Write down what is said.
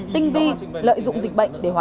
tinh vi lợi dụng dịch bệnh